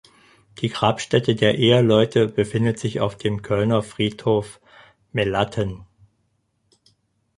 Die Grabstätte der Eheleute befindet sich auf dem Kölner Friedhof Melaten.